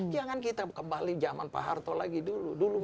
jangan kita kembali zaman pak harto lagi dulu